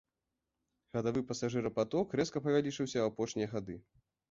Гадавы пасажырапаток рэзка павялічыўся ў апошнія гады.